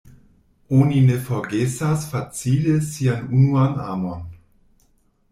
Oni ne forgesas facile sian unuan amon.